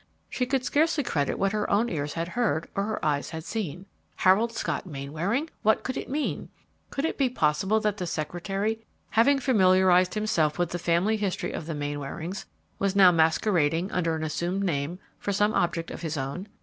She could scarcely credit what her own ears had heard or her eyes had seen. Harold Scott Mainwaring! What could it mean? Could it be possible that the secretary, having familiarized himself with the family history of the Mainwarings, was now masquerading under an assumed name for some object of his own?